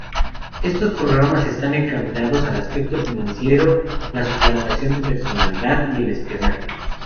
Estos programas están encaminados al aspecto financiero, la suplantación de personalidad y el espionaje.